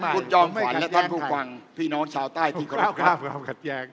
คุณจอมฝันและท่านผู้ฟังและพี่น้องชาวใต้ที่ขอรับครับ